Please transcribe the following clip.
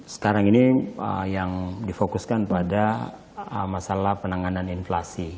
sekarang ini yang difokuskan pada masalah penanganan inflasi